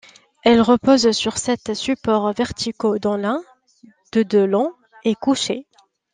Elle repose sur sept supports verticaux dont l’un, de de long, est couché.